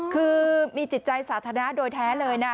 คือมีจิตใจสาธารณะโดยแท้เลยนะ